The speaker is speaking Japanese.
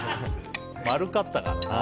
丸かったからな。